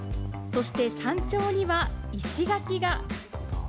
そして山頂には石垣が！